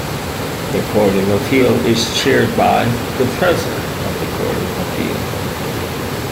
The Court of Appeal is chaired by the President of the Court of Appeal.